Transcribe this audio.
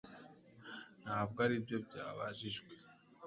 Ntabwo aribyo byabajijwe